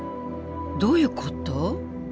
どういうこと？